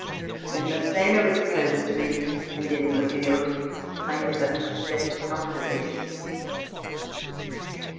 When Massena was opposed to me, and in the field, I never slept comfortably.